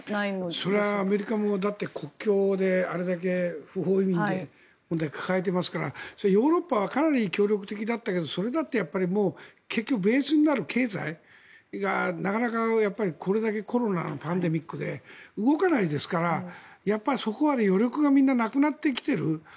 それはアメリカも国境であれだけ不法移民の問題を抱えていますからヨーロッパはかなり協力的だったけどそれだってもう結局ベースになる経済がなかなかこれだけコロナのパンデミックで動かないですから、そこは余力がなくなってきている。